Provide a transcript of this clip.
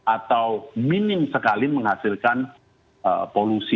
atau minim sekali menghasilkan polusi